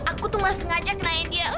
aku tuh nggak sengaja kenain dia